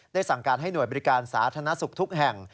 สั่งการให้หน่วยบริการสาธารณสุขทุกแห่ง